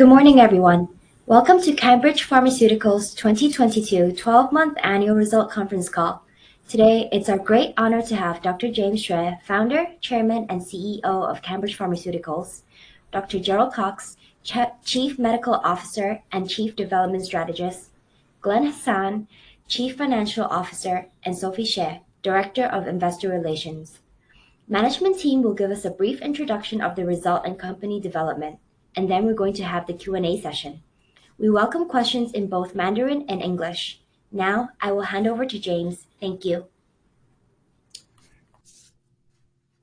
Good morning, everyone. Welcome to CANbridge Pharmaceuticals' 2022 12-month annual result conference call. Today, it's our great honor to have Dr. James Xue, Founder, Chairman, and CEO of CANbridge Pharmaceuticals, Dr. Gerald Cox, Chief Medical Officer and Chief Development Strategist, Glenn Hassan, Chief Financial Officer, and Sophie Xie, Director of Investor Relations. Management team will give us a brief introduction of the result and company development, and then we're going to have the Q&A session. We welcome questions in both Mandarin and English. Now, I will hand over to James. Thank you.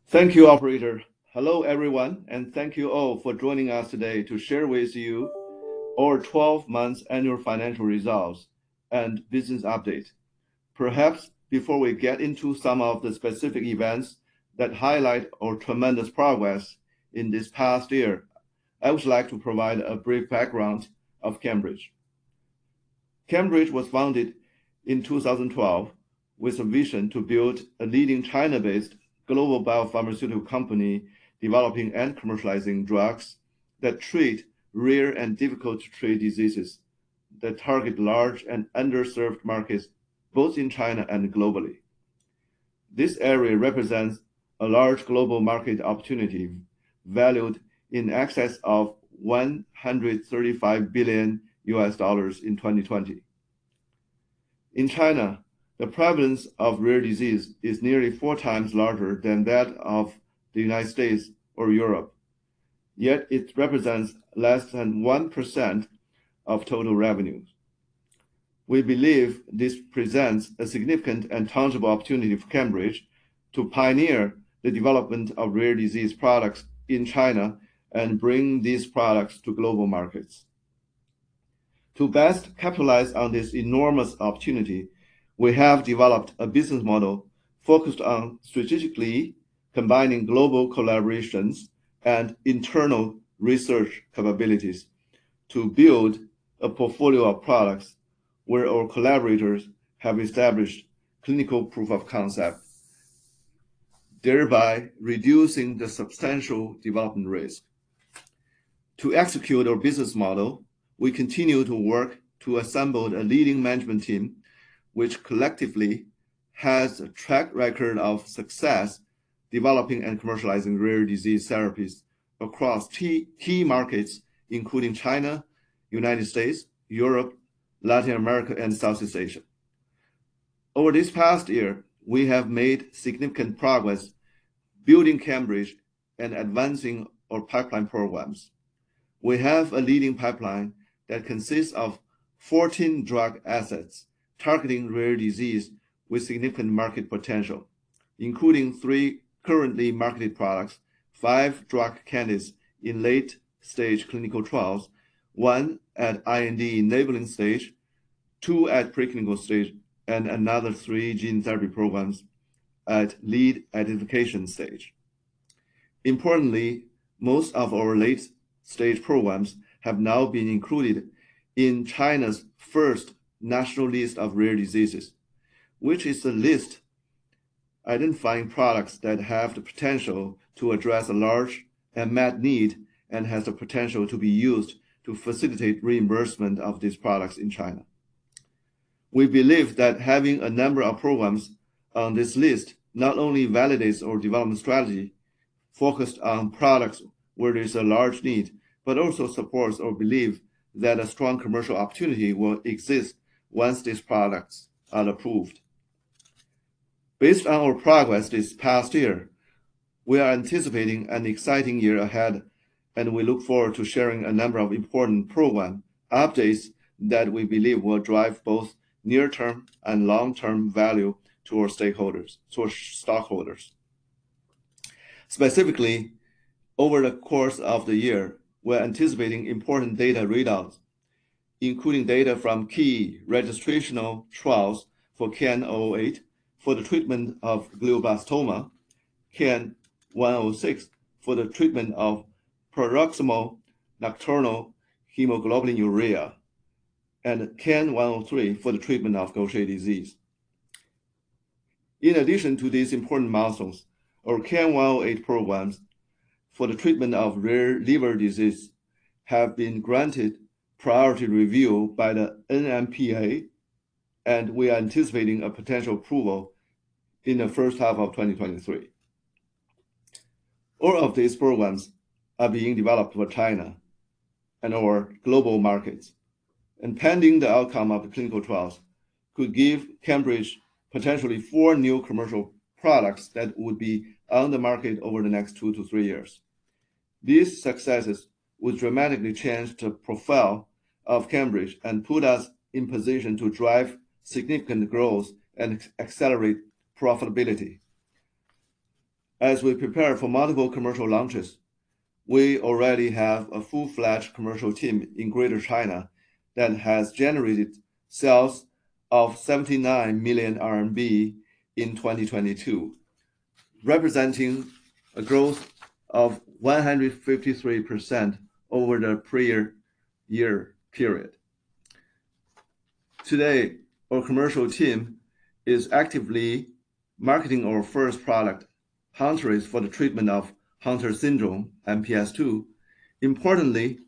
Thank you, operator. Hello, everyone, thank you all for joining us today to share with you our 12 months annual financial results and business update. Perhaps before we get into some of the specific events that highlight our tremendous progress in this past year, I would like to provide a brief background of CANbridge. CANbridge was founded in 2012 with a vision to build a leading China-based global biopharmaceutical company, developing and commercializing drugs that treat rare and difficult to treat diseases that target large and underserved markets both in China and globally. This area represents a large global market opportunity valued in excess of $135 billion in 2020. In China, the prevalence of rare disease is nearly 4x larger than that of the United States or Europe, yet it represents less than 1% of total revenues. We believe this presents a significant and tangible opportunity for CANbridge to pioneer the development of rare disease products in China and bring these products to global markets. To best capitalize on this enormous opportunity, we have developed a business model focused on strategically combining global collaborations and internal research capabilities to build a portfolio of products where our collaborators have established clinical proof of concept, thereby reducing the substantial development risk. To execute our business model, we continue to work to assemble a leading management team, which collectively has a track record of success developing and commercializing rare disease therapies across key markets, including China, United States, Europe, Latin America, and Southeast Asia. Over this past year, we have made significant progress building CANbridge and advancing our pipeline programs. We have a leading pipeline that consists of 14 drug assets targeting rare disease with significant market potential, including three currently marketed products, five drug candidates in late-stage clinical trials, one at IND-enabling stage, two at preclinical stage, and another three gene therapy programs at lead identification stage. Importantly, most of our late-stage programs have now been included in China's first national list of rare diseases, which is a list identifying products that have the potential to address a large unmet need and has the potential to be used to facilitate reimbursement of these products in China. We believe that having a number of programs on this list not only validates our development strategy focused on products where there's a large need, but also supports our belief that a strong commercial opportunity will exist once these products are approved. Based on our progress this past year, we are anticipating an exciting year ahead. We look forward to sharing a number of important program updates that we believe will drive both near-term and long-term value to our stockholders. Specifically, over the course of the year, we're anticipating important data readouts, including data from key registrational trials for CAN008 for the treatment of glioblastoma, CAN106 for the treatment of paroxysmal nocturnal hemoglobinuria, and CAN103 for the treatment of Gaucher disease. In addition to these important milestones, our CAN108 programs for the treatment of rare liver disease have been granted priority review by the NMPA. We are anticipating a potential approval in the first half of 2023. All of these programs are being developed for China and our global markets, pending the outcome of the clinical trials could give CANbridge potentially four new commercial products that would be on the market over the next two to three years. These successes will dramatically change the profile of CANbridge and put us in position to drive significant growth and accelerate profitability. As we prepare for multiple commercial launches, we already have a full-fledged commercial team in Greater China that has generated sales of 79 million RMB in 2022, representing a growth of 153% over the prior year period. Today, our commercial team is actively marketing our first product, Hunterase, for the treatment of Hunter syndrome, MPS II. Importantly,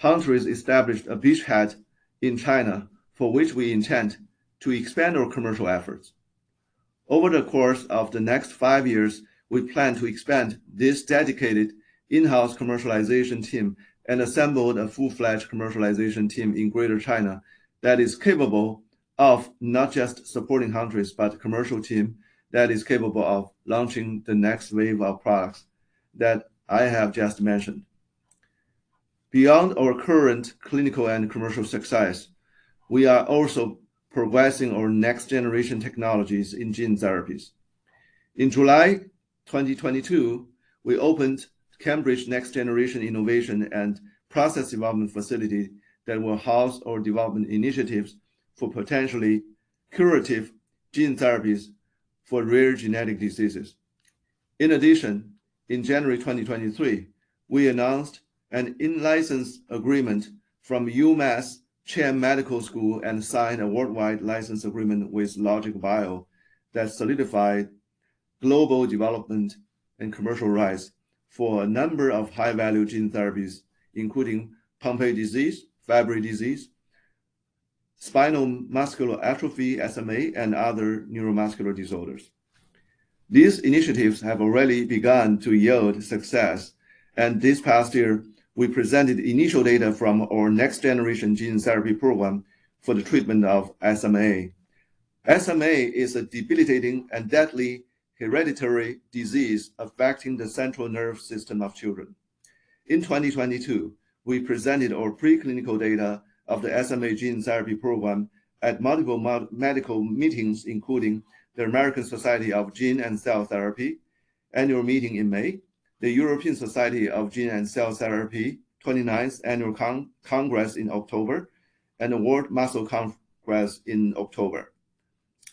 Hunterase established a beachhead in China, for which we intend to expand our commercial efforts. Over the course of the next five years, we plan to expand this dedicated in-house commercialization team and assemble a full-fledged commercialization team in Greater China that is capable of not just supporting countries, but commercial team that is capable of launching the next wave of products that I have just mentioned. Beyond our current clinical and commercial success, we are also progressing our next-generation technologies in gene therapies. In July 2022, we opened CANbridge Next-Generation Innovation and Process Development Facility that will house our development initiatives for potentially curative gene therapies for rare genetic diseases. In January 2023, we announced an in-license agreement from UMass Chan Medical School and signed a worldwide license agreement with LogicBio that solidified global development and commercial rights for a number of high-value gene therapies, including Pompe disease, Fabry disease, Spinal Muscular Atrophy, SMA, and other neuromuscular disorders. These initiatives have already begun to yield success. This past year, we presented initial data from our next-generation gene therapy program for the treatment of SMA. SMA is a debilitating and deadly hereditary disease affecting the Central Nerve System of children. In 2022, we presented our preclinical data of the SMA gene therapy program at multiple medical meetings, including the American Society of Gene & Cell Therapy Annual Meeting in May, the European Society of Gene & Cell Therapy 29th Annual Congress in October, and the World Muscle Congress in October.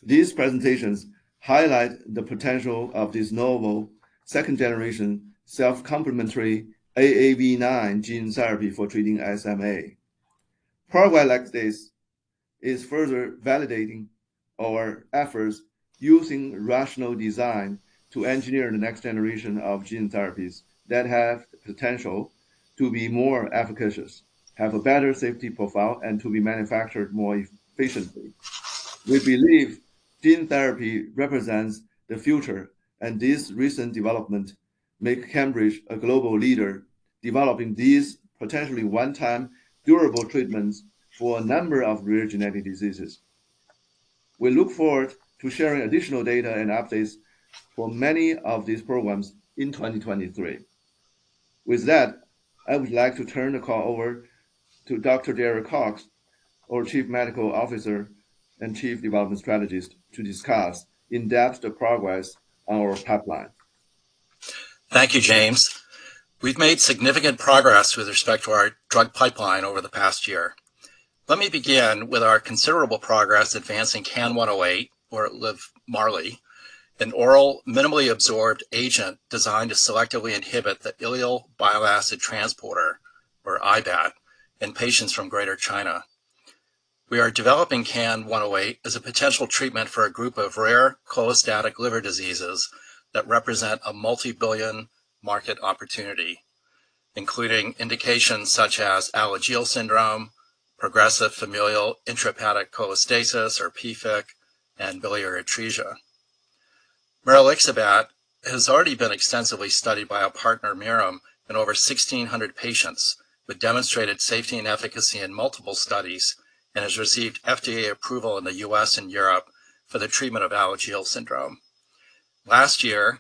These presentations highlight the potential of this novel second-generation self-complementary AAV9 gene therapy for treating SMA. Program like this is further validating our efforts using rational design to engineer the next generation of gene therapies that have potential to be more efficacious, have a better safety profile, and to be manufactured more efficiently. We believe gene therapy represents the future, and this recent development make CANbridge a global leader developing these potentially one-time durable treatments for a number of rare genetic diseases. We look forward to sharing additional data and updates for many of these programs in 2023. With that, I would like to turn the call over to Dr. Gerald Cox, our Chief Medical Officer and Chief Development Strategist, to discuss in depth the progress on our pipeline. Thank you, James. We've made significant progress with respect to our drug pipeline over the past year. Let me begin with our considerable progress advancing CAN108 or LIVMARLI, an oral minimally absorbed agent designed to selectively inhibit the ileal bile acid transporter or IBAT in patients from Greater China. We are developing CAN108 as a potential treatment for a group of rare cholestatic liver diseases that represent a multi-billion market opportunity, including indications such as Alagille syndrome, progressive familial intrahepatic cholestasis or PFIC, and biliary atresia. maralixibat has already been extensively studied by our partner Mirum in over 1,600 patients with demonstrated safety and efficacy in multiple studies and has received FDA approval in the U.S. and Europe for the treatment of Alagille syndrome. Last year,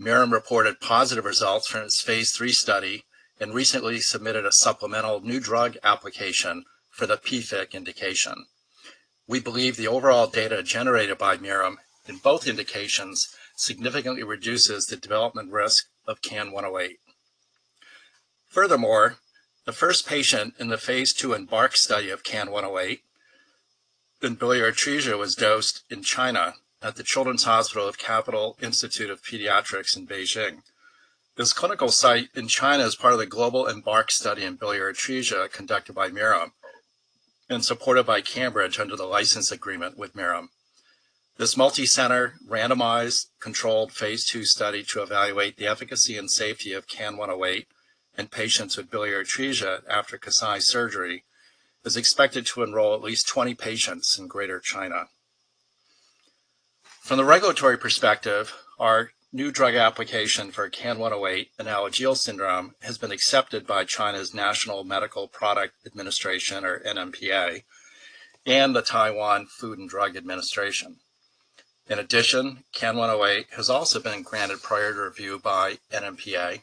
Mirum reported positive results from its phase III study and recently submitted a supplemental new drug application for the PFIC indication. We believe the overall data generated by Mirum in both indications significantly reduces the development risk of CAN108. Furthermore, the first patient in the phase II EMBARK study of CAN108 in biliary atresia was dosed in China at the Children's Hospital of Capital Institute of Pediatrics in Beijing. This clinical site in China is part of the global EMBARK study in biliary atresia conducted by Mirum and supported by CANbridge under the license agreement with Mirum. This multicenter randomized controlled phase II study to evaluate the efficacy and safety of CAN108 in patients with biliary atresia after Kasai surgery is expected to enroll at least 20 patients in Greater China. From the regulatory perspective, our new drug application for CAN108 in Alagille syndrome has been accepted by China's National Medical Products Administration or NMPA and the Taiwan Food and Drug Administration. In addition, CAN108 has also been granted prior to review by NMPA,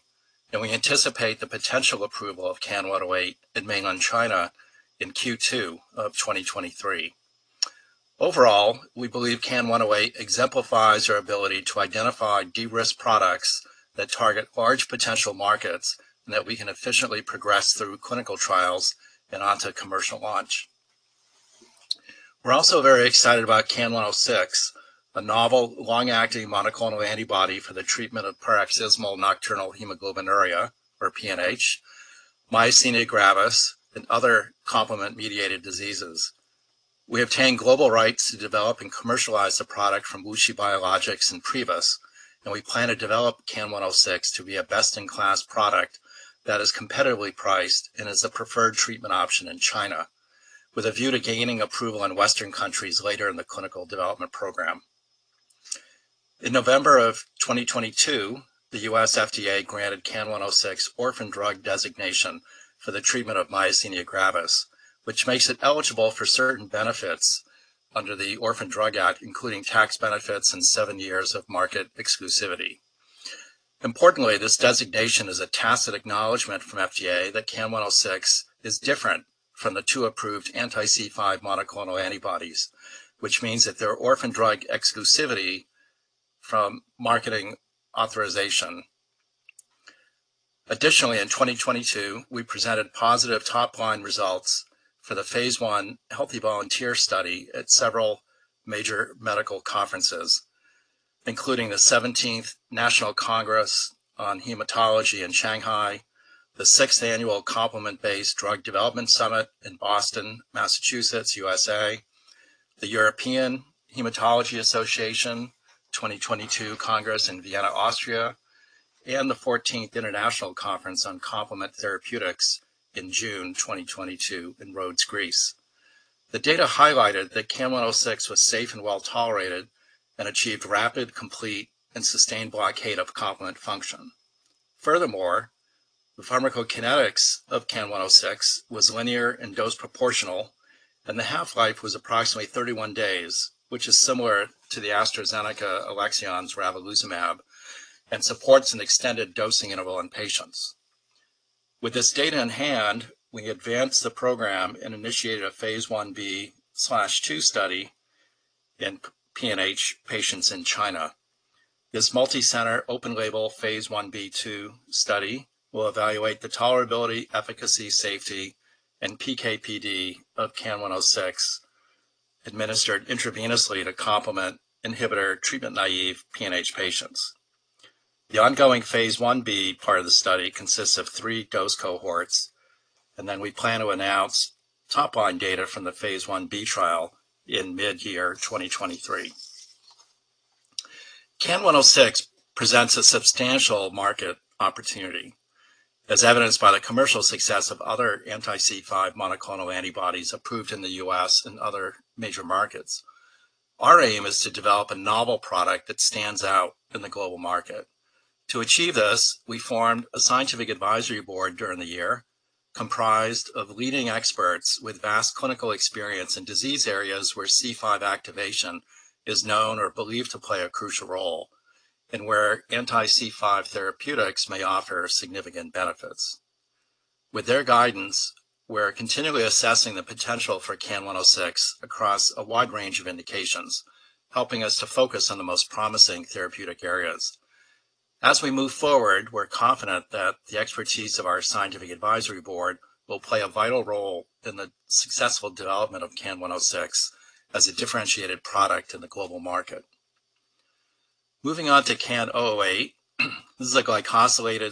and we anticipate the potential approval of CAN108 in mainland China in Q2 of 2023. Overall, we believe CAN108 exemplifies our ability to identify de-risk products that target large potential markets and that we can efficiently progress through clinical trials and onto commercial launch. We're also very excited about CAN106, a novel long-acting monoclonal antibody for the treatment of paroxysmal nocturnal hemoglobinuria or PNH, myasthenia gravis and other complement-mediated diseases. We obtained global rights to develop and commercialize the product from WuXi Biologics and Privus, we plan to develop CAN106 to be a best-in-class product that is competitively priced and is the preferred treatment option in China, with a view to gaining approval in Western countries later in the clinical development program. In November of 2022, the U.S. FDA granted CAN106 orphan drug designation for the treatment of myasthenia gravis, which makes it eligible for certain benefits under the Orphan Drug Act, including tax benefits and seven years of market exclusivity. Importantly, this designation is a tacit acknowledgment from FDA that CAN106 is different from the two approved anti-C5 monoclonal antibodies, which means that their orphan drug exclusivity from marketing authorization. In 2022, we presented positive top-line results for the phase I healthy volunteer study at several major medical conferences, including the 17th National Congress on Hematology in Shanghai, the sixth annual Complement-Based Drug Development Summit in Boston, Massachusetts, USA, the European Hematology Association 2022 Congress in Vienna, Austria, and the 14th International Conference on Complement Therapeutics in June 2022 in Rhodes, Greece. The data highlighted that CAN106 was safe and well-tolerated and achieved rapid, complete, and sustained blockade of complement function. The pharmacokinetics of CAN106 was linear and dose proportional, and the half-life was approximately 31 days, which is similar to the AstraZeneca Alexion's ravulizumab and supports an extended dosing interval in patients. With this data in hand, we advanced the program and initiated a phase I-b/II study in PNH patients in China. This multi-center, open-label phase I-b/II study will evaluate the tolerability, efficacy, safety, and PK/PD of CAN106 administered intravenously to complement inhibitor treatment-naive PNH patients. The ongoing phase I-b part of the study consists of three dose cohorts. We plan to announce top-line data from the phase I-b trial in mid-year 2023. CAN106 presents a substantial market opportunity, as evidenced by the commercial success of other anti-C5 monoclonal antibodies approved in the U.S. and other major markets. Our aim is to develop a novel product that stands out in the global market. To achieve this, we formed a scientific advisory board during the year comprised of leading experts with vast clinical experience in disease areas where C5 activation is known or believed to play a crucial role and where anti-C5 therapeutics may offer significant benefits. With their guidance, we're continually assessing the potential for CAN106 across a wide range of indications, helping us to focus on the most promising therapeutic areas. As we move forward, we're confident that the expertise of our scientific advisory board will play a vital role in the successful development of CAN106 as a differentiated product in the global market. Moving on to CAN008, this is a glycosylated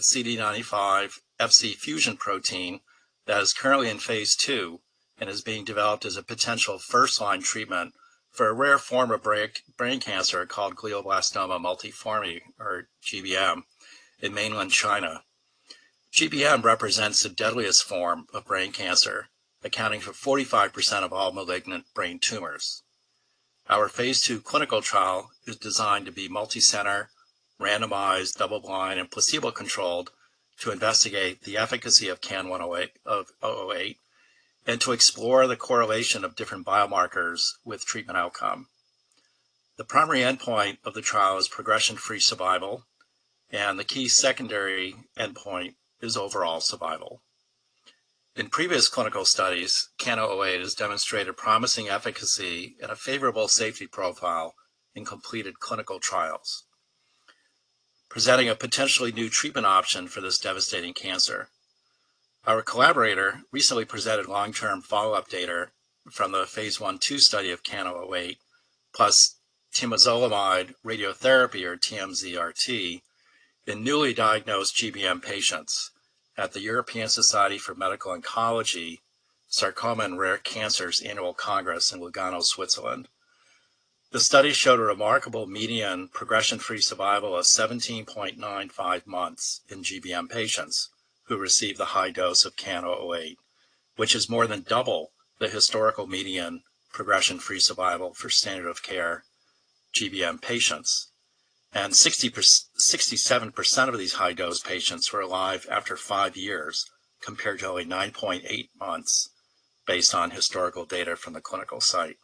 CD95-Fc fusion protein that is currently in phase II and is being developed as a potential first-line treatment for a rare form of brain cancer called glioblastoma multiforme, or GBM, in mainland China. GBM represents the deadliest form of brain cancer, accounting for 45% of all malignant brain tumors. Our phase II clinical trial is designed to be multi-center, randomized, double-blind, and placebo-controlled to investigate the efficacy of CAN008 and to explore the correlation of different biomarkers with treatment outcome. The primary endpoint of the trial is progression-free survival, and the key secondary endpoint is overall survival. In previous clinical studies, CAN008 has demonstrated promising efficacy and a favorable safety profile in completed clinical trials, presenting a potentially new treatment option for this devastating cancer. Our collaborator recently presented long-term follow-up data from the phase I/II study of CAN008 plus temozolomide radiotherapy, or TMZ RT, in newly diagnosed GBM patients at the European Society for Medical Oncology Sarcoma and Rare Cancers Annual Congress in Lugano, Switzerland. The study showed a remarkable median progression-free survival of 17.95 months in GBM patients who received the high dose of CAN008, which is more than double the historical median progression-free survival for standard of care GBM patients. 67% of these high-dose patients were alive after five years, compared to only 9.8 months based on historical data from the clinical site.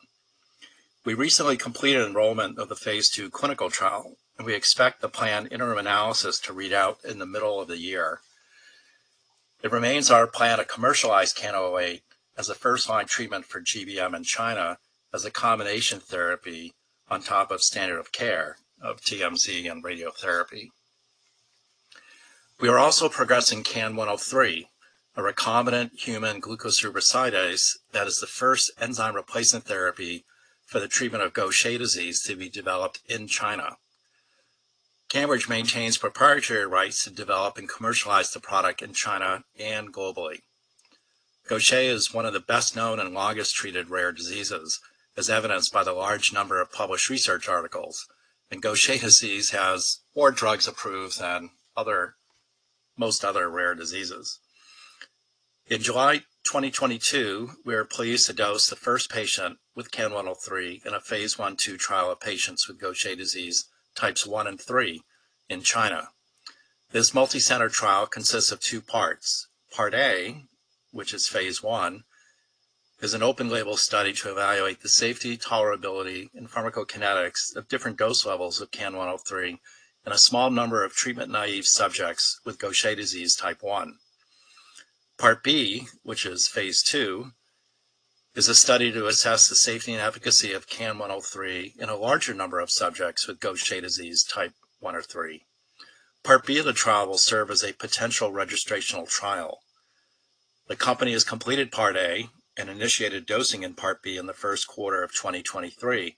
We recently completed enrollment of the phase ii clinical trial, and we expect the planned interim analysis to read out in the middle of the year. It remains our plan to commercialize CAN008 as a first-line treatment for GBM in China as a combination therapy on top of standard of care of TMZ and radiotherapy. We are also progressing CAN103, a recombinant human glucocerebrosidase that is the first enzyme replacement therapy for the treatment of Gaucher disease to be developed in China. CANbridge maintains proprietary rights to develop and commercialize the product in China and globally. Gaucher is one of the best-known and longest treated rare diseases, as evidenced by the large number of published research articles. Gaucher disease has more drugs approved than other most other rare diseases. In July 2022, we are pleased to dose the first patient with CAN103 in a phase I/II trial of patients with Gaucher disease Types 1 and 3 in China. This multi-center trial consists of two parts. Part A, which is phase I, is an open label study to evaluate the safety, tolerability, and pharmacokinetics of different dose levels of CAN103 in a small number of treatment-naive subjects with Gaucher disease Type 1. Part B, which is phase II, is a study to assess the safety and efficacy of CAN103 in a larger number of subjects with Gaucher disease Type 1 or 3. Part B of the trial will serve as a potential registrational trial. The company has completed part A and initiated dosing in part B in the first quarter of 2023.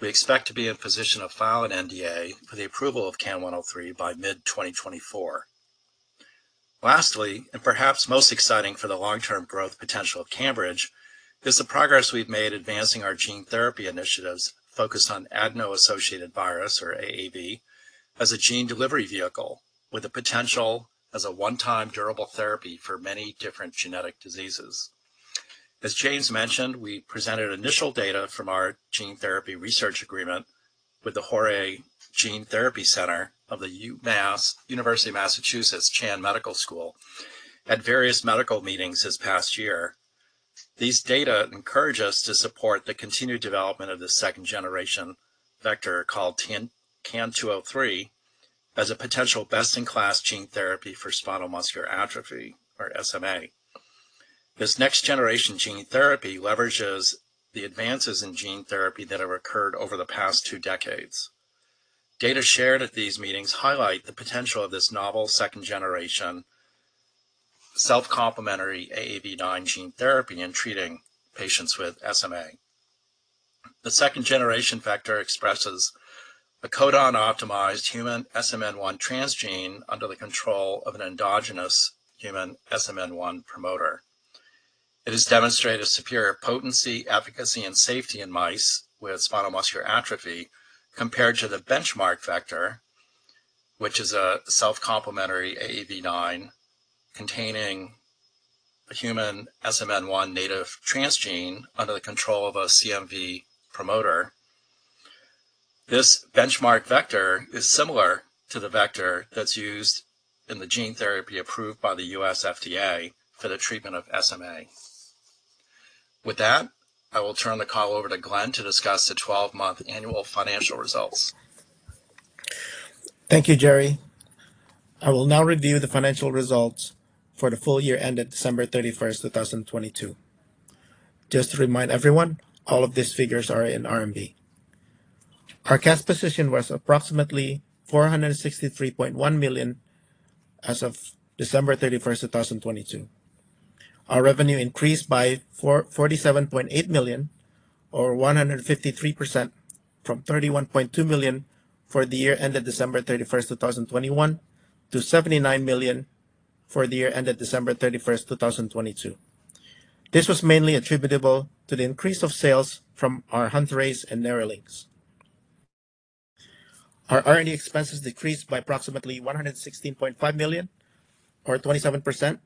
We expect to be in position to file an NDA for the approval of CAN103 by mid-2024. Lastly, perhaps most exciting for the long-term growth potential of CANbridge, is the progress we've made advancing our gene therapy initiatives focused on adeno-associated virus, or AAV, as a gene delivery vehicle, with a potential as a one-time durable therapy for many different genetic diseases. As James mentioned, we presented initial data from our gene therapy research agreement with the Horae Gene Therapy Center of the University of Massachusetts Chan Medical School at various medical meetings this past year. These data encourage us to support the continued development of the second generation vector called CAN-203 as a potential best-in-class gene therapy for spinal muscular atrophy, or SMA. This next generation gene therapy leverages the advances in gene therapy that have occurred over the past two decades. Data shared at these meetings highlight the potential of this novel second generation self-complementary AAV9 gene therapy in treating patients with SMA. The second generation vector expresses a codon-optimized human SMN1 transgene under the control of an endogenous human SMN1 promoter. It has demonstrated superior potency, efficacy, and safety in mice with spinal muscular atrophy compared to the benchmark vector, which is a self-complementary AAV9 containing a human SMN1 native transgene under the control of a CMV promoter. This benchmark vector is similar to the vector that's used in the gene therapy approved by the U.S. FDA for the treatment of SMA. I will turn the call over to Glenn to discuss the 12-month annual financial results. Thank you, Gerry. I will now review the financial results for the full year ended December 31st, 2022. Just to remind everyone, all of these figures are in RMB. Our cash position was approximately 463.1 million as of December 31st, 2022. Our revenue increased by 47.8 million or 153% from 31.2 million for the year ended December 31st, 2021 to 79 million for the year ended December 31st, 2022. This was mainly attributable to the increase of sales from our Hunterase and Nerlynx. Our R&D expenses decreased by approximately 116.5 million or 27%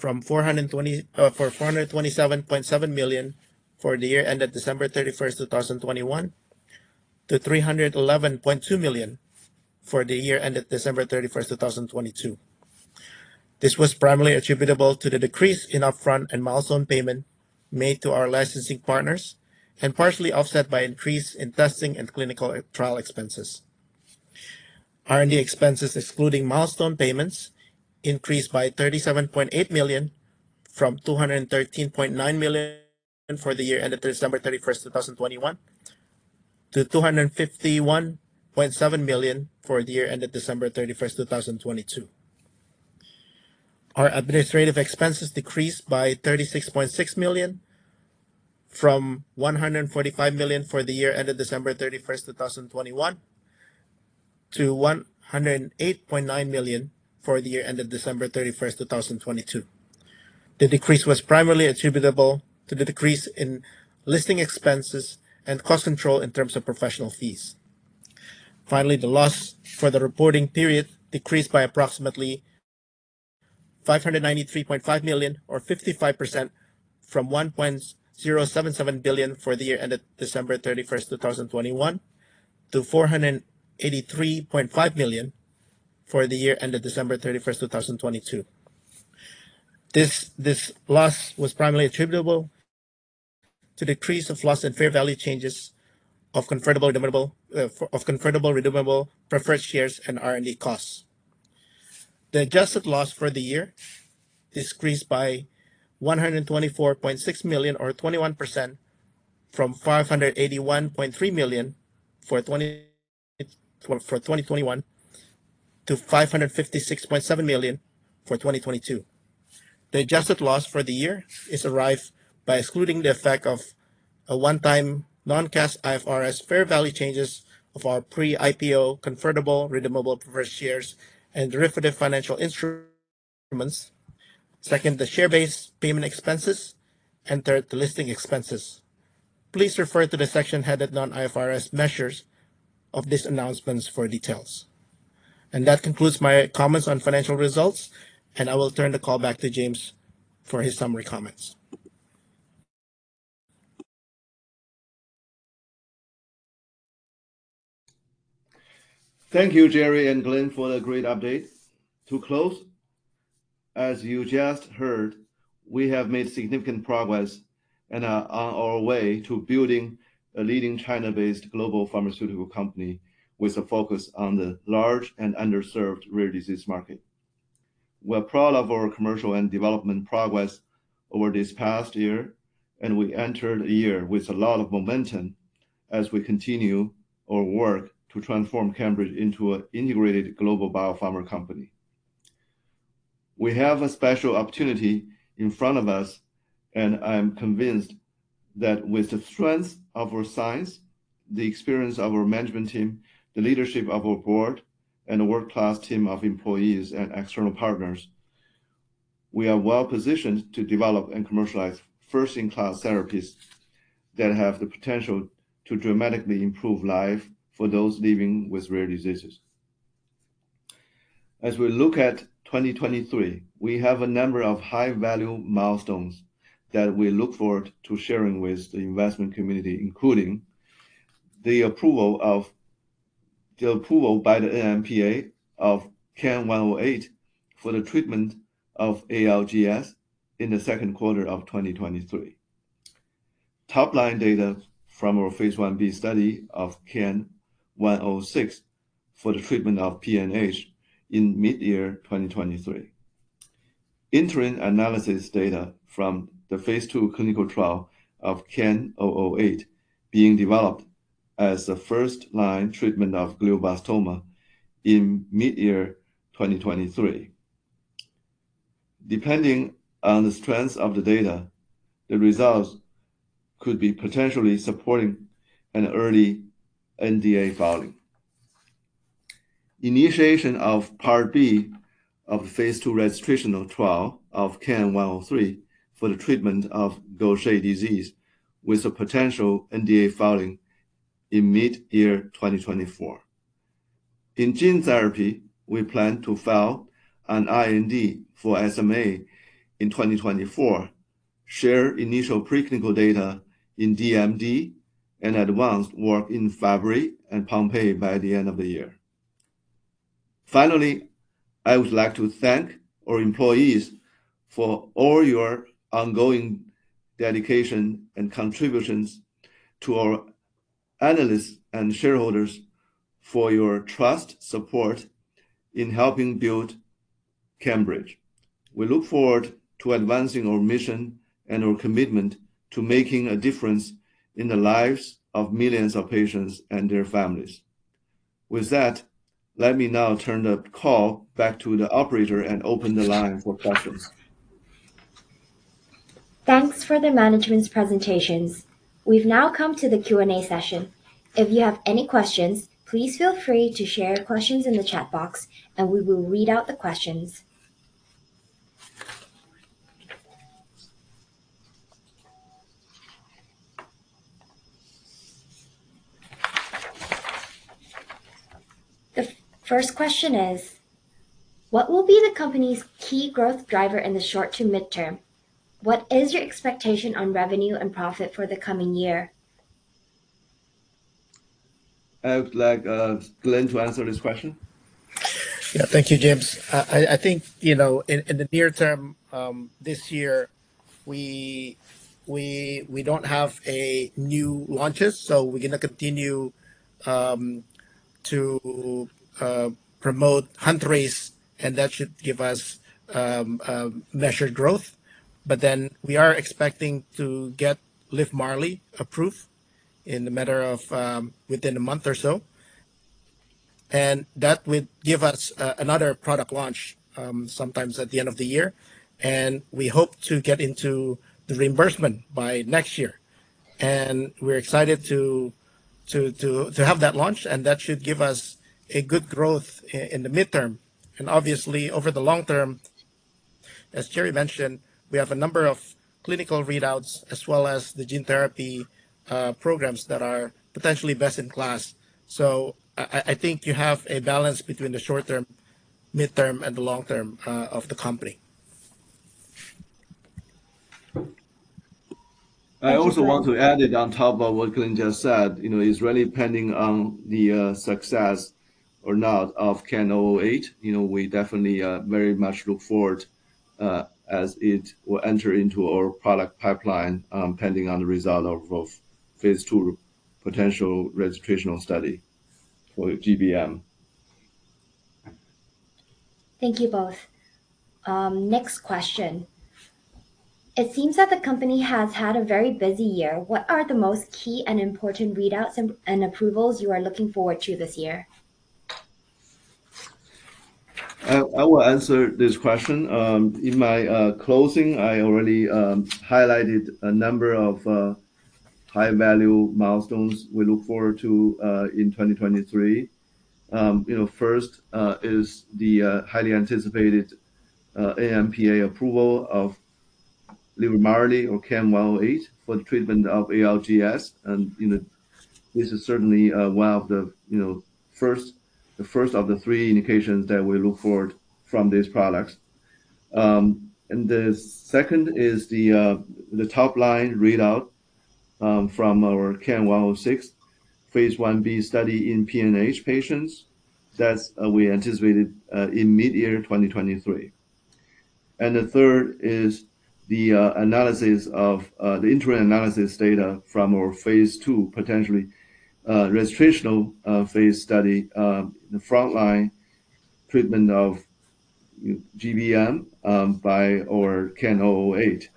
from 427.7 million for the year ended December 31st, 2021 to 311.2 million for the year ended December 31st, 2022. This was primarily attributable to the decrease in upfront and milestone payment made to our licensing partners and partially offset by increase in testing and clinical trial expenses. R&D expenses, excluding milestone payments, increased by 37.8 million from 213.9 million for the year ended December 31st, 2021 to 251.7 million for the year ended December 31, 2022. Our administrative expenses decreased by 36.6 million from 145 million for the year ended December 31, 2021 to 108.9 million for the year ended December 31st, 2022. The decrease was primarily attributable to the decrease in listing expenses and cost control in terms of professional fees. The loss for the reporting period decreased by approximately 593.5 million or 55% from 1.077 billion for the year ended December 31st, 2021 to 483.5 million for the year ended December 31st, 2022. This loss was primarily attributable to decrease of loss in fair value changes of convertible redeemable preferred shares and R&D costs. The adjusted loss for the year decreased by 124.6 million or 21% from 581.3 million for 2021 to 556.7 million for 2022. The adjusted loss for the year is arrived by excluding the effect of a one-time non-cash IFRS fair value changes of our pre-IPO convertible redeemable preferred shares and derivative financial instruments, second, the share-based payment expenses, and third, the listing expenses. Please refer to the section headed Non-IFRS measures of this announcements for details. That concludes my comments on financial results, and I will turn the call back to James for his summary comments. Thank you, Gerry and Glenn, for the great update. To close, as you just heard, we have made significant progress and are on our way to building a leading China-based global pharmaceutical company with a focus on the large and underserved rare disease market. We're proud of our commercial and development progress over this past year, and we enter the year with a lot of momentum as we continue our work to transform CANbridge into an integrated global biopharma company. We have a special opportunity in front of us, and I am convinced that with the strength of our science, the experience of our management team, the leadership of our board, and a world-class team of employees and external partners, we are well-positioned to develop and commercialize first-in-class therapies that have the potential to dramatically improve life for those living with rare diseases. As we look at 2023, we have a number of high-value milestones that we look forward to sharing with the investment community, including the approval by the NMPA of CAN108 for the treatment of ALGS in the second quarter of 2023. Top-line data from our phase I-b study of CAN106 for the treatment of PNH in mid-year 2023. Interim analysis data from the phase II clinical trial of CAN008 being developed as the first-line treatment of glioblastoma in mid-year 2023. Depending on the strength of the data, the results could be potentially supporting an early NDA filing. Initiation of part B of phase II registrational trial of CAN103 for the treatment of Gaucher disease with a potential NDA filing in mid-year 2024. In gene therapy, we plan to file an IND for SMA in 2024, share initial preclinical data in DMD, and advance work in Fabry and Pompe by the end of the year. Finally, I would like to thank our employees for all your ongoing dedication and contributions to our analysts and shareholders for your trust, support in helping build CANbridge. We look forward to advancing our mission and our commitment to making a difference in the lives of millions of patients and their families. With that, let me now turn the call back to the operator and open the line for questions. Thanks for the management's presentations. We've now come to the Q&A session. If you have any questions, please feel free to share your questions in the chat box, and we will read out the questions. The first question is, what will be the company's key growth driver in the short to midterm? What is your expectation on revenue and profit for the coming year? I would like Glenn to answer this question. Yeah. Thank you, James. I think, you know, in the near term, this year we don't have new launches. We're gonna continue to promote Hunterase, and that should give us measured growth. We are expecting to get LIVMARLI approved in a matter of within a month or so. That will give us another product launch sometimes at the end of the year. We hope to get into the reimbursement by next year. We're excited to have that launch, and that should give us good growth in the midterm. Obviously, over the long term, as Gerry mentioned, we have a number of clinical readouts as well as the gene therapy programs that are potentially best in class. I think you have a balance between the short term, midterm, and the long term of the company. I also want to add it on top of what Glenn just said. You know, it's really depending on the success or not of CAN008. You know, we definitely very much look forward as it will enter into our product pipeline, pending on the result of phase II potential registrational study for GBM. Thank you both. Next question. It seems that the company has had a very busy year. What are the most key and important readouts and approvals you are looking forward to this year? I will answer this question. In my closing, I already highlighted a number of high-value milestones we look forward to in 2023. You know, first, is the highly anticipated NMPA approval of LIVMARLI or CAN108 for the treatment of ALGS. You know, this is certainly one of the, you know, first, the first of the three indications that we look forward from these products. The second is the top-line readout from our CAN106 phase I-b study in PNH patients. That's we anticipated in mid-year 2023. The third is the analysis of the interim analysis data from our phase II, potentially registrational phase study, the frontline treatment of GBM, by our CAN008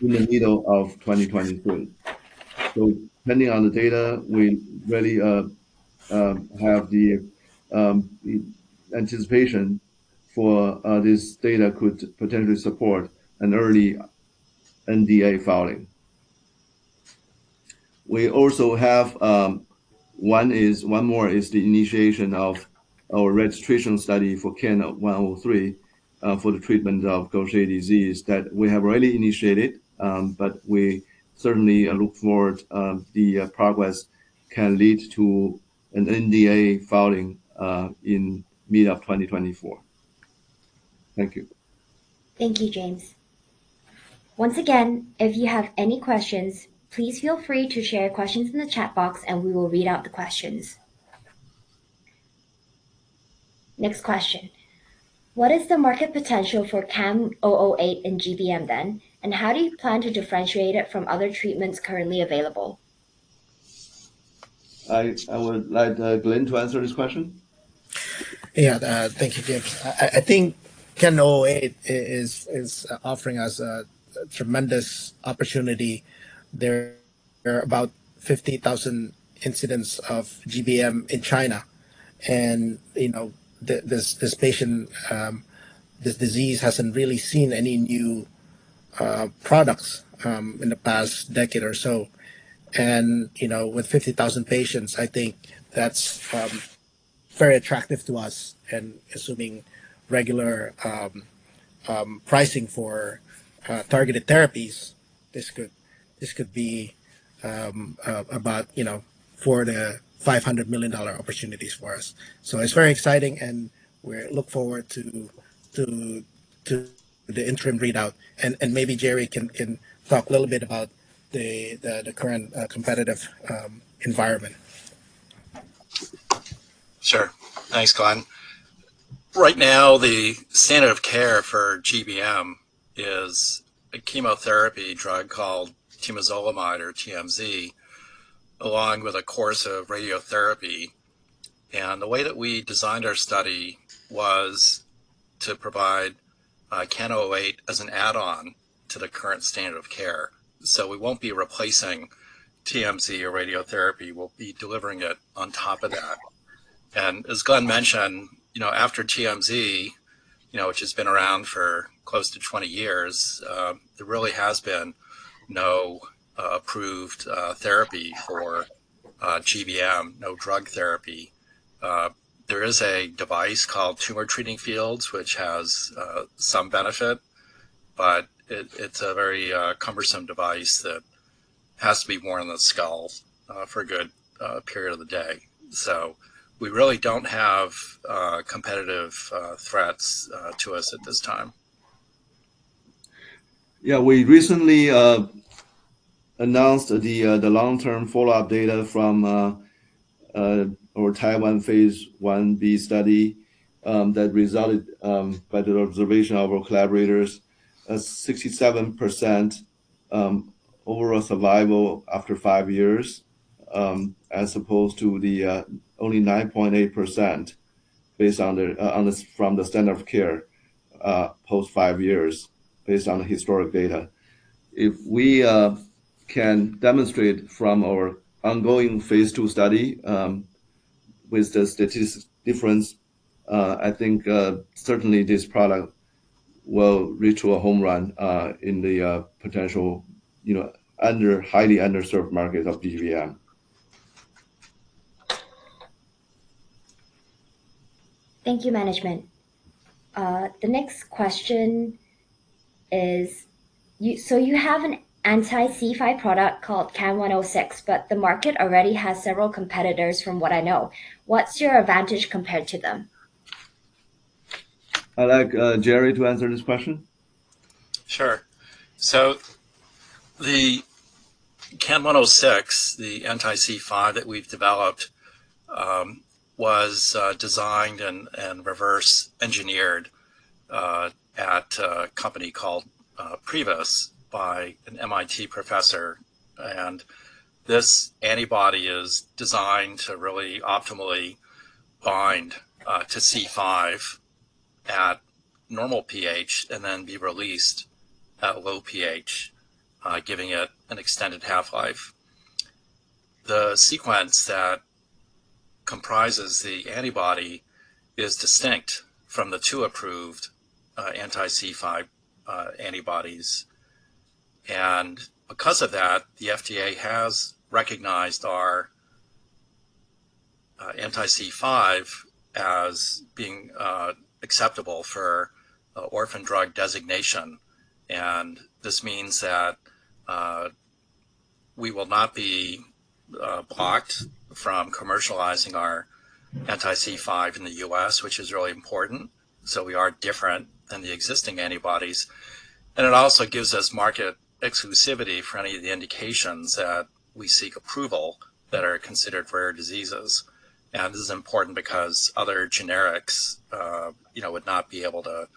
in the middle of 2023. Depending on the data, we really have the anticipation for this data could potentially support an early NDA filing. We also have one more is the initiation of our registration study for CAN103 for the treatment of Gaucher disease that we have already initiated. We certainly look forward the progress can lead to an NDA filing in mid of 2024. Thank you. Thank you, James. Once again, if you have any questions, please feel free to share your questions in the chat box and we will read out the questions. Next question. What is the market potential for CAN008 in GBM then, and how do you plan to differentiate it from other treatments currently available? I would like Glenn to answer this question. Thank you, James. I think CAN008 is offering us a tremendous opportunity. There are about 50,000 incidents of GBM in China. You know, this patient, this disease hasn't really seen any new products in the past decade or so. You know, with 50,000 patients, I think that's very attractive to us, and assuming regular pricing for targeted therapies, this could be about, you know, $400 million-$500 million dollar opportunities for us. It's very exciting and we look forward to the interim readout and maybe Gerry can talk a little bit about the current competitive environment. Sure. Thanks, Glenn. Right now, the standard of care for GBM is a chemotherapy drug called temozolomide or TMZ, along with a course of radiotherapy. The way that we designed our study was to provide CAN008 as an add-on to the current standard of care. We won't be replacing TMZ or radiotherapy, we'll be delivering it on top of that. As Glenn mentioned, you know, after TMZ, you know, which has been around for close to 20 years, there really has been no approved therapy for GBM, no drug therapy. There is a device called Tumor Treating Fields, which has some benefit, but it's a very cumbersome device that has to be worn on the skull for a good period of the day. We really don't have competitive threats to us at this time. Yeah. We recently announced the long-term follow-up data from our Taiwan phase I-b study that resulted by the observation of our collaborators 67% overall survival after five years as opposed to the only 9.8% based on the from the standard of care post five years based on historic data. If we can demonstrate from our ongoing phase II study with the statistics difference, I think certainly this product will reach a home run in the potential, you know, under highly underserved market of GBM. Thank you, management. The next question is: You have an anti-C5 product called CAN106. The market already has several competitors from what I know. What's your advantage compared to them? I'd like Gerry to answer this question. Sure. The CAN106, the anti-C5 that we've developed, was designed and reverse engineered at a company called Privus by an MIT professor. This antibody is designed to really optimally bind to C5 at normal pH and then be released at low pH, giving it an extended half-life. The sequence that comprises the antibody is distinct from the two approved anti-C5 antibodies. Because of that, the FDA has recognized our anti-C5 as being acceptable for orphan drug designation. This means that we will not be blocked from commercializing our anti-C5 in the U.S. which is really important. We are different than the existing antibodies. It also gives us market exclusivity for any of the indications that we seek approval that are considered rare diseases. This is important because other generics, you know, would not be able to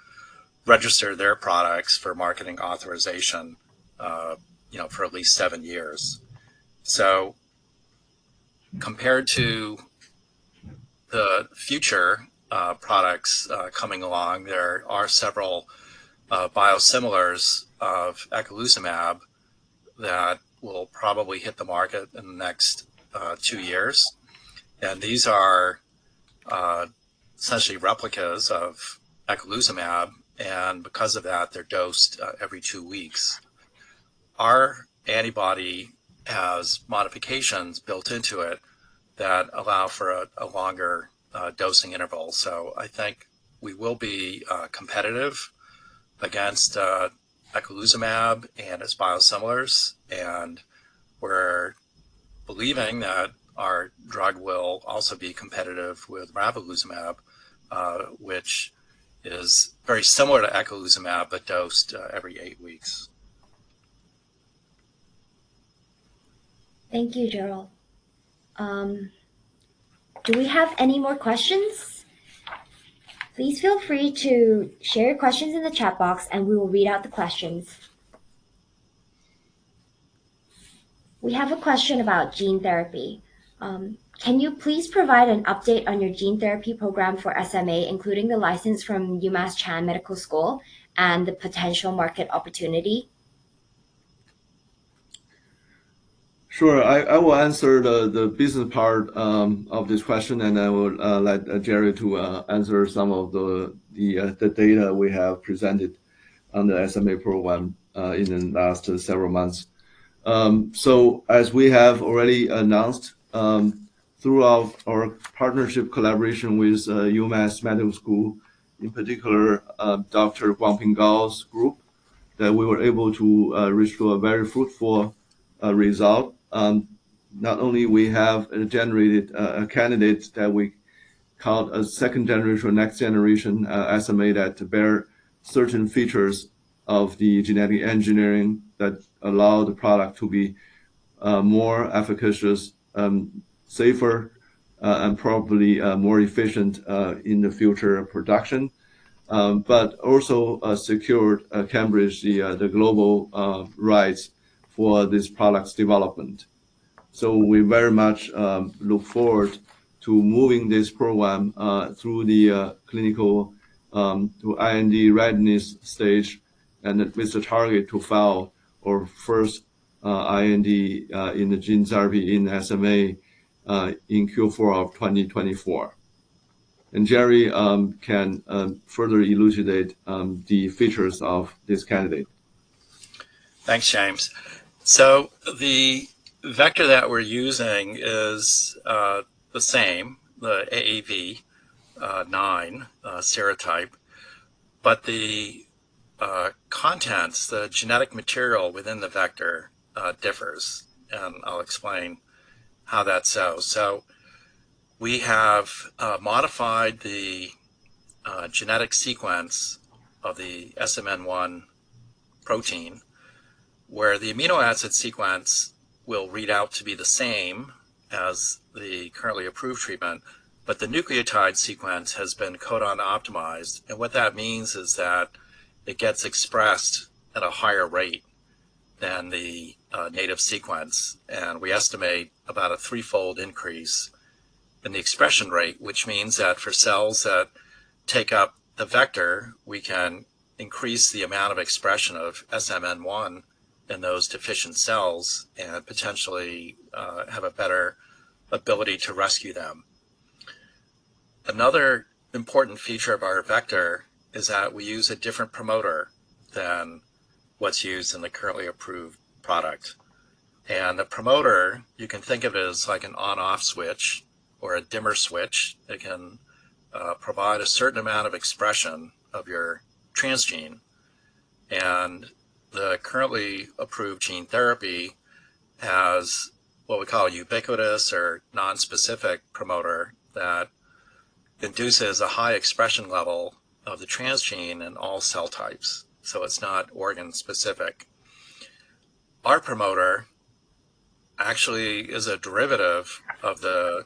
register their products for marketing authorization, you know, for at least seven years. Compared to the future products coming along, there are several biosimilars of eculizumab that will probably hit the market in the next two years. These are essentially replicas of eculizumab, and because of that, they're dosed every two weeks. Our antibody has modifications built into it that allow for a longer dosing interval. I think we will be competitive against eculizumab and its biosimilars, and we're believing that our drug will also be competitive with ravulizumab, which is very similar to eculizumab, but dosed every eight weeks. Thank you, Gerald. Do we have any more questions? Please feel free to share your questions in the chat box. We will read out the questions. We have a question about gene therapy. Can you please provide an update on your gene therapy program for SMA, including the license from UMass Chan Medical School and the potential market opportunity? Sure. I will answer the business part of this question, and I will let Gerry to answer some of the data we have presented on the SMA program in the last several months. As we have already announced, throughout our partnership collaboration with UMass Chan Medical School, in particular, Dr. Guangping Gao's group, that we were able to reach to a very fruitful result. Not only we have generated a candidate that we called a second generation or next generation SMA that bear certain features of the genetic engineering that allow the product to be more efficacious, safer, and probably more efficient in the future production. Also secured CANbridge the global rights for this product's development. We very much look forward to moving this program through the clinical to IND readiness stage and with the target to file our first IND in the gene therapy in SMA in Q4 of 2024. Gerry can further elucidate the features of this candidate. Thanks, James. The vector that we're using is the same, the AAV9 serotype, but the contents, the genetic material within the vector, differs, and I'll explain how that's so. We have modified the genetic sequence of the SMN1 protein, where the amino acid sequence will read out to be the same as the currently approved treatment, but the nucleotide sequence has been codon-optimized, and what that means is that it gets expressed at a higher rate than the native sequence. We estimate about a threefold increase in the expression rate which means that for cells that take up the vector, we can increase the amount of expression of SMN1 in those deficient cells and potentially, have a better ability to rescue them. Another important feature of our vector is that we use a different promoter than what's used in the currently approved product. The promoter you can think of as like an on/off switch or a dimmer switch that can provide a certain amount of expression of your transgene. The currently approved gene therapy has what we call ubiquitous or nonspecific promoter that induces a high expression level of the transgene in all cell types, so it's not organ specific. Our promoter actually is a derivative of the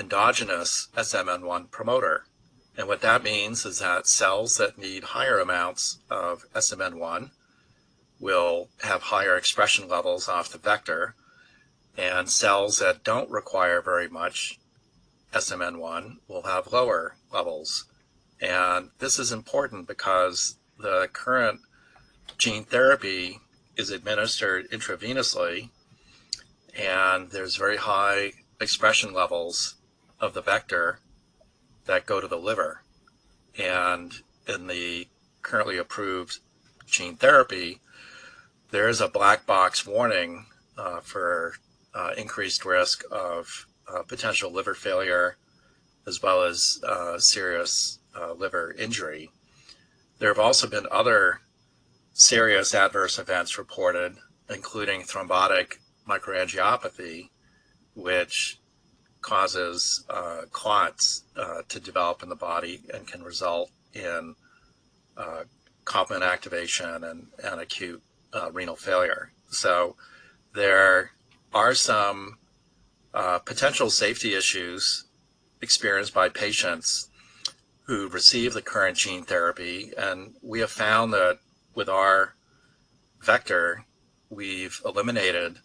endogenous SMN1 promoter. What that means is that cells that need higher amounts of SMN1 will have higher expression levels off the vector, and cells that don't require very much SMN1 will have lower levels. This is important because the current gene therapy is administered intravenously, and there's very high expression levels of the vector that go to the liver. In the currently approved gene therapy, there is a black box warning for increased risk of potential liver failure as well as serious liver injury. There have also been other serious adverse events reported, including thrombotic microangiopathy, which causes clots to develop in the body and can result in complement activation and acute renal failure. There are some potential safety issues experienced by patients who receive the current gene therapy, and we have found that with our vector, we've eliminated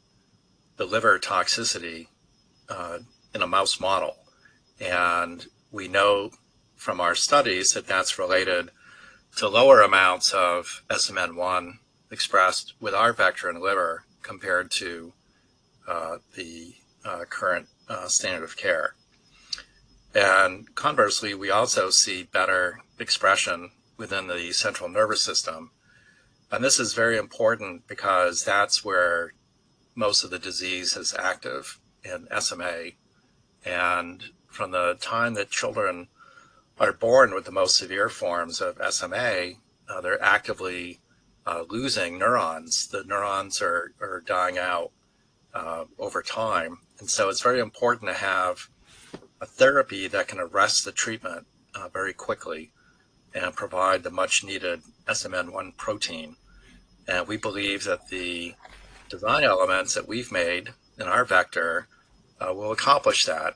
the liver toxicity in a mouse model. We know from our studies that that's related to lower amounts of SMN1 expressed with our vector and liver compared to the current standard of care. Conversely, we also see better expression within the central nervous system, and this is very important because that's where most of the disease is active in SMA. From the time that children are born with the most severe forms of SMA, they're actively losing neurons. The neurons are dying out over time. So it's very important to have a therapy that can arrest the treatment very quickly and provide the much-needed SMN1 protein, and we believe that the design elements that we've made in our vector will accomplish that.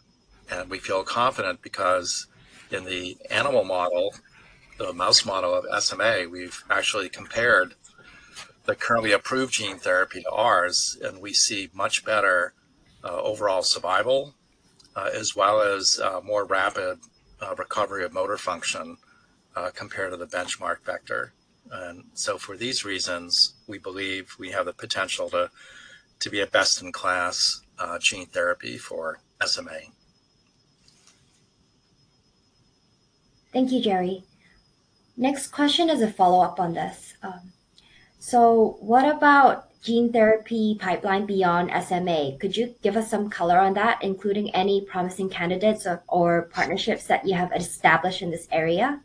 We feel confident because in the animal model, the mouse model of SMA, we've actually compared the currently approved gene therapy to ours, and we see much better overall survival, as well as more rapid recovery of motor function compared to the benchmark vector. For these reasons, we believe we have the potential to be a best in class gene therapy for SMA. Thank you, Gerry. Next question is a follow-up on this. What about gene therapy pipeline beyond SMA? Could you give us some color on that, including any promising candidates or partnerships that you have established in this area?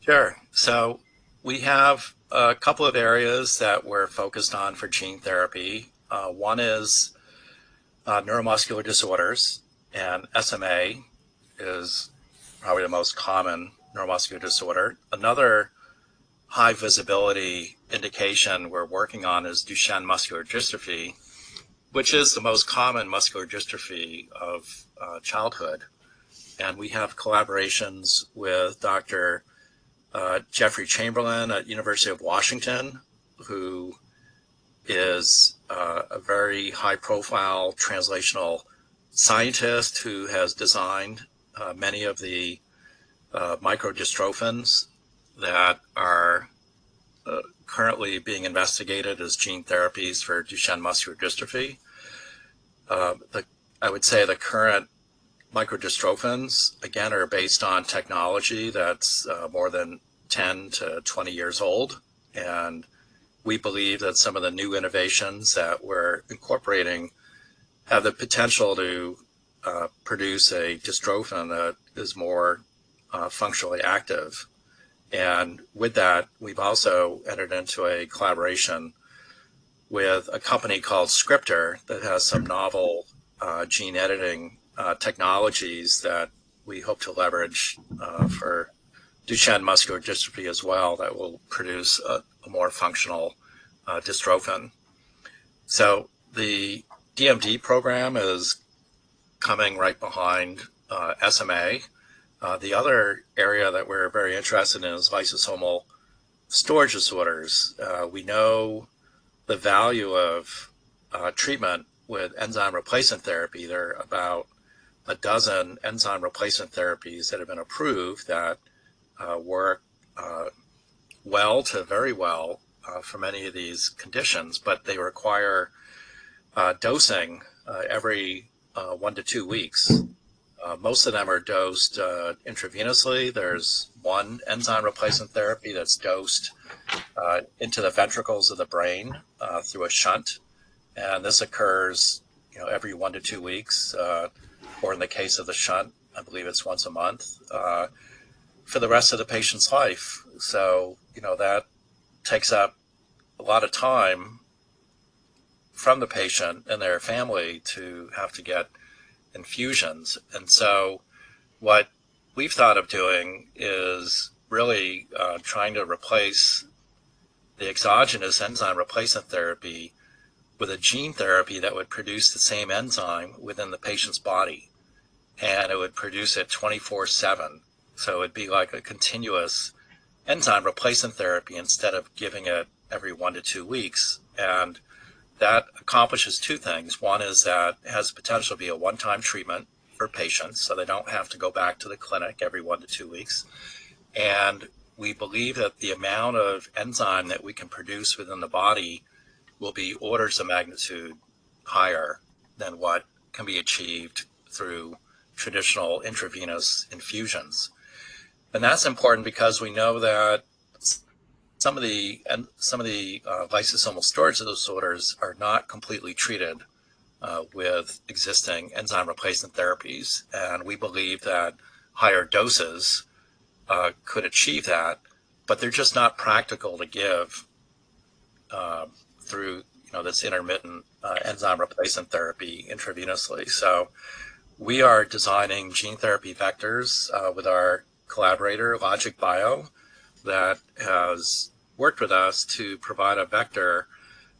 Sure. We have a couple of areas that we're focused on for gene therapy. One is neuromuscular disorders, and SMA is probably the most common neuromuscular disorder. Another high visibility indication we're working on is Duchenne muscular dystrophy, which is the most common muscular dystrophy of childhood. We have collaborations with Dr. Jeffrey Chamberlain at University of Washington, who is a very high profile translational scientist who has designed many of the micro-dystrophins that are currently being investigated as gene therapies for Duchenne muscular dystrophy. I would say the current micro-dystrophins again, are based on technology that's more than 10-20 years old, and we believe that some of the new innovations that we're incorporating have the potential to produce a dystrophin that is more functionally active. With that, we've also entered into a collaboration with a company called Scriptr that has some novel gene editing technologies that we hope to leverage for Duchenne muscular dystrophy as well that will produce a more functional dystrophin. The DMD program is coming right behind SMA. The other area that we're very interested in is lysosomal storage disorders. We know the value of treatment with enzyme replacement therapy. There are about 12 enzyme replacement therapies that have been approved that work well to very well for many of these conditions, but they require dosing every one to two weeks. Most of them are dosed intravenously. There's one enzyme replacement therapy that's dosed into the ventricles of the brain through a shunt, this occurs, you know, every one to two weeks, or in the case of the shunt, I believe it's once a month, for the rest of the patient's life. You know, that takes up a lot of time from the patient and their family to have to get infusions. What we've thought of doing is really, trying to replace the exogenous enzyme replacement therapy with a gene therapy that would produce the same enzyme within the patient's body, and it would produce it 24/7. It'd be like a continuous enzyme replacement therapy instead of giving it every one to two weeks. That accomplishes two things. One is that it has the potential to be a one-time treatment for patients, so they don't have to go back to the clinic every one to two weeks. We believe that the amount of enzyme that we can produce within the body will be orders of magnitude higher than what can be achieved through traditional intravenous infusions. That's important because we know that some of the lysosomal storage disorders are not completely treated with existing enzyme replacement therapies. We believe that higher doses could achieve that, but they're just not practical to give through, you know, this intermittent enzyme replacement therapy intravenously. We are designing gene therapy vectors with our collaborator, LogicBio, that has worked with us to provide a vector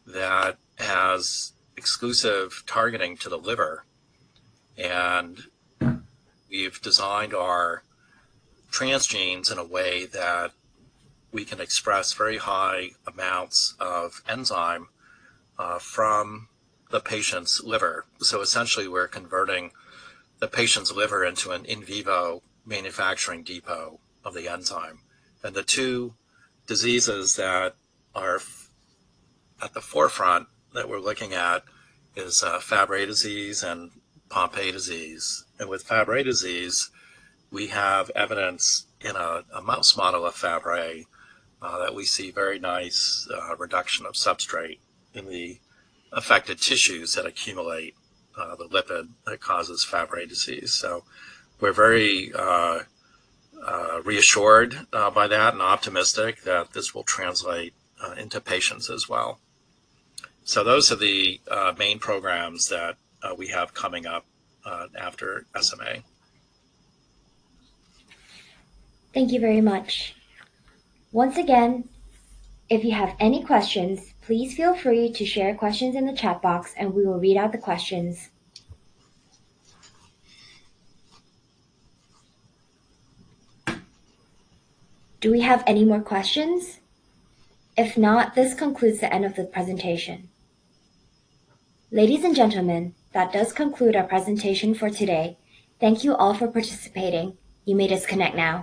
that has exclusive targeting to the liver. We've designed our transgenes in a way that we can express very high amounts of enzyme from the patient's liver. Essentially, we're converting the patient's liver into an in vivo manufacturing depot of the enzyme. The two diseases that are at the forefront that we're looking at is Fabry disease and Pompe disease. With Fabry disease, we have evidence in a mouse model of Fabry that we see very nice reduction of substrate in the affected tissues that accumulate the lipid that causes Fabry disease. We're very reassured by that and optimistic that this will translate into patients as well. Those are the main programs that we have coming up after SMA. Thank you very much. Once again, if you have any questions, please feel free to share questions in the chat box and we will read out the questions. Do we have any more questions? If not, this concludes the end of the presentation. Ladies and gentlemen, that does conclude our presentation for today. Thank you all for participating. You may disconnect now.